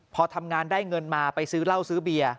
พอทำงานได้เงินมาไปซื้อเหล้าซื้อเบียร์